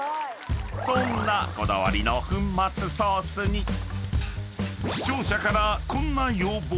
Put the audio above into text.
［そんなこだわりの粉末ソースに視聴者からこんな要望が］